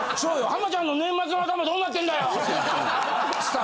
浜ちゃんの年末の頭どうなってんだよ！って。